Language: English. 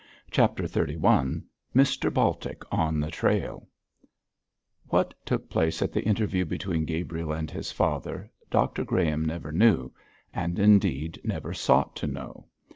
CHAPTER XXXI MR BALTIC ON THE TRAIL What took place at the interview between Gabriel and his father, Dr Graham never knew; and indeed never sought to know.